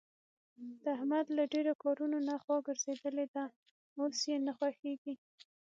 د احمد له ډېرو کارونو نه خوا ګرځېدلې ده. اوس یې نه خوښږېږي.